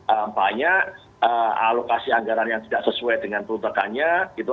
apanya alokasi anggaran yang tidak sesuai dengan perutakannya gitu